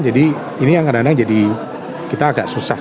ini yang kadang kadang jadi kita agak susah